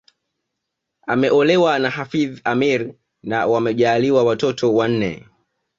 Ameolewa na Hafidh Ameir na wamejaaliwa watoto wanne